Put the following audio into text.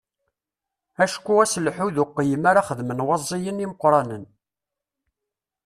Acku aselḥu d uqeyyem ara xedmen waẓiyen imeqqranen.